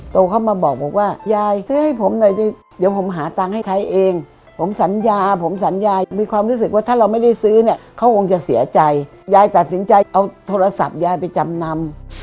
โทรเข้ามาบอกว่ายายซื้อให้ผมหน่อยสิเดี๋ยวผมหาตังค์ให้ใช้เองผมสัญญาผมสัญญายมีความรู้สึกว่าถ้าเราไม่ได้ซื้อเนี่ยเขาคงจะเสียใจยายตัดสินใจเอาโทรศัพท์ยายไปจำนำ